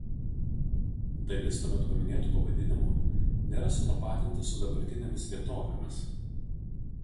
Dalis tuomet paminėtų pavadinimų nėra sutapatinti su dabartinėmis vietovėmis.